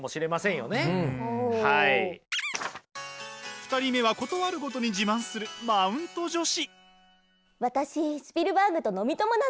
２人目は事あるごとに自慢するマウント女子。